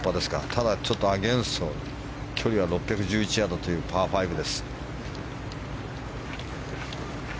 ただ、ちょっとアゲンスト距離は６１１ヤードというパー５です。